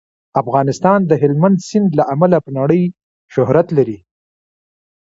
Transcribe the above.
افغانستان د هلمند سیند له امله په نړۍ شهرت لري.